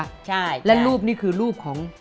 ใช่และรูปนี้คือรูปของ